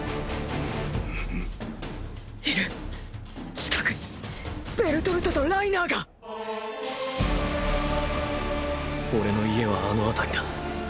⁉いる近くにベルトルトとライナーがオレの家はあの辺りだ。